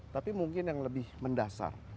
tapi mungkin yang lebih mendasar